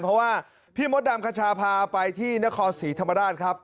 เพราะว่าพี่มดดำกันจะพาไปที่นครสีธรรมดาลครับ